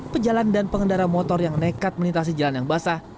pejalan dan pengendara motor yang nekat melintasi jalan yang basah